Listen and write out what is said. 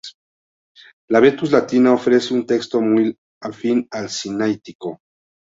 La "Vetus Latina" ofrece un texto muy afín al Sinaítico.